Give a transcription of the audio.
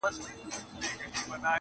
چي د جنګ پر نغارو باندي بل اور سو.!